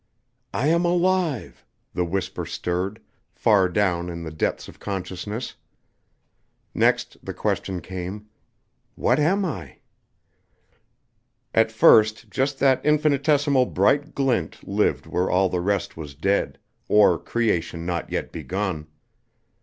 "I am alive," the whisper stirred, far down in the depths of consciousness. Next the question came, "What am I?" At first just that infinitesimal bright glint lived where all the rest was dead, or creation not yet begun.